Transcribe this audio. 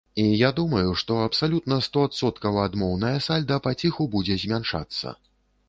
І я думаю, што абсалютна стоадсоткава адмоўнае сальда паціху будзе змяншацца.